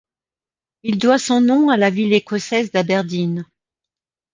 Il doit son nom à la ville écossaise d'Aberdeen.